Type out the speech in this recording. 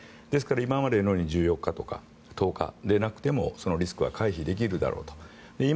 ですから今までみたいに１４日間とか１０日でなくてもそのリスクは回避できるだろうと。